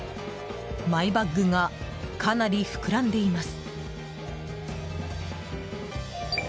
マイバッグがかなり膨らんでいます。